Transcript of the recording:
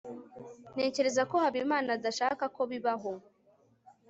ntekereza ko habimana adashaka ko bibaho